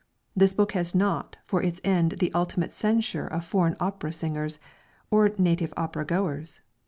This book has not for its end the unlimited censure of foreign opera singers, or native opera goers.